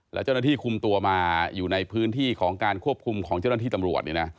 แล้วเจ้าหน้าที่คุมตัวมาอยู่ในพื้นที่ของการควบคุมของเจ้าหน้าที่ตำรวจ